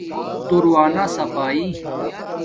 ہوہت دوݵ نہ صفایݵ